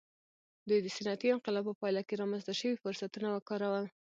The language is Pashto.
دوی د صنعتي انقلاب په پایله کې رامنځته شوي فرصتونه وکارول.